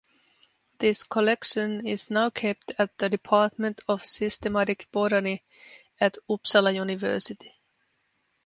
This collection is now kept at the Department of Systematic Botany at Uppsala University.